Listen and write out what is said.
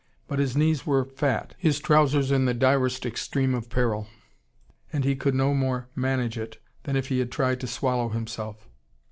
But his knees were fat, his trousers in the direst extreme of peril, and he could no more manage it than if he had tried to swallow himself.